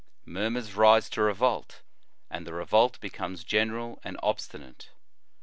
Murmurs rise to revolt, and the revolt becomes general and obsti nate.